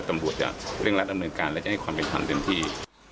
ตำรวจจะเร่งรัดดำเนินการและจะให้ความเป็นธรรมเต็มที่